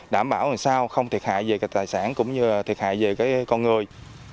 đảm bảo làm sao không thiệt hại về tài sản cũng như là thiệt hại về con người